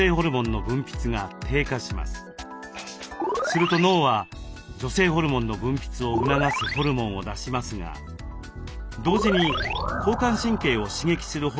すると脳は女性ホルモンの分泌を促すホルモンを出しますが同時に交感神経を刺激するホルモンも分泌。